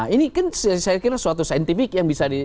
ini kan saya kira suatu saintifik yang bisa di